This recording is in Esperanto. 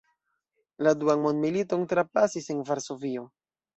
La duan mondmiliton trapasis en Varsovio.